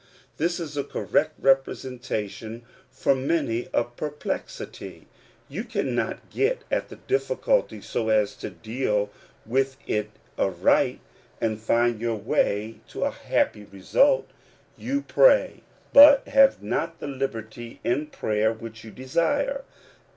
This is a correct ^presentation of many a perplexity. You cannot fet at the difficulty so as to deal with it aright, and ^nd your way to a happy result. You pray, but have not the liberty in prayer which you desire.